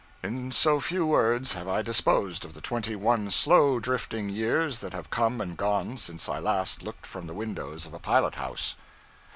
In so few words have I disposed of the twenty one slow drifting years that have come and gone since I last looked from the windows of a pilot house.